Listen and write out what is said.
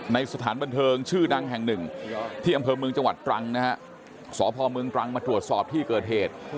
สถานบันเทิงชื่อดังแห่งหนึ่งที่อำเภอเมืองจังหวัดตรังนะฮะสพเมืองตรังมาตรวจสอบที่เกิดเหตุ